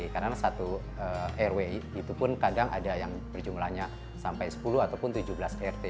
karena satu rw itu pun kadang ada yang berjumlahnya sampai sepuluh ataupun tujuh belas rt